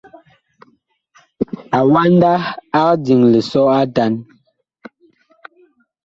Awanda ag diŋ lisɔ atan.